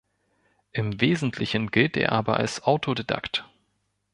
Im Wesentlichen gilt er aber als Autodidakt.